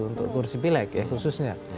untuk kursi pilek ya khususnya